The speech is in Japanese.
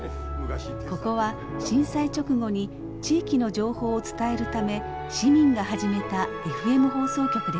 ここは震災直後に地域の情報を伝えるため市民が始めたＦＭ放送局でした。